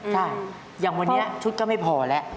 ใช่อย่างวันนี้ชุดก็ไม่พอแล้ว